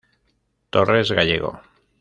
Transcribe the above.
Torres Gallego.